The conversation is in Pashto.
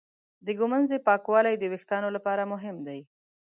د ږمنځې پاکوالی د وېښتانو لپاره مهم دی.